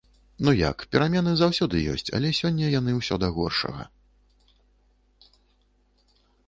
Ну як, перамены заўсёды ёсць, але сёння яны ўсё да горшага.